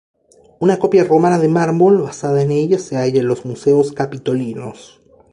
Una copia romana de mármol basada en ella se halla en los Museos Capitolinos.